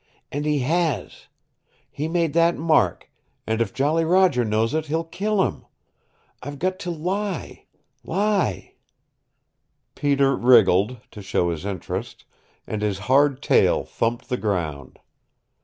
And he has! He made that mark, and if Jolly Roger knows it he'll kill him. I've got to lie lie " Peter wriggled, to show his interest, and his hard tail thumped the ground.